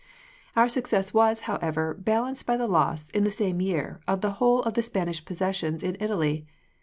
"Our success was, however, balanced by the loss, in the same year, of the whole of the Spanish possessions in Italy.